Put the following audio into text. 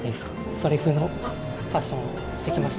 それ風のファッションをしてきました。